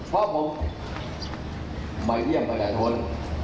เพราะผมไม่เยี่ยมกันแน่นอน